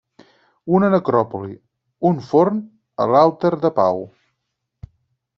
Una necròpoli, un forn, a l'Alter de Pau.